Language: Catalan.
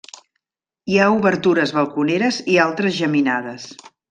Hi ha obertures balconeres i altres geminades.